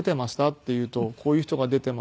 って言うとこういう人が出ていました。